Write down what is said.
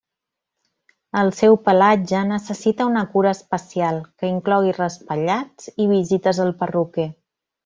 El seu pelatge necessita una cura especial, que inclogui raspallats i visites al perruquer.